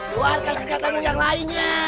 keluarkan segatamu yang lainnya